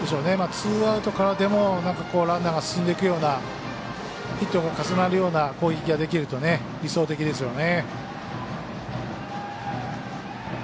ツーアウトからでもランナーが進んでいくようなヒットが重なるような攻撃ができると理想的ですよね。